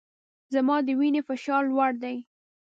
زما د وینې فشار لوړ دی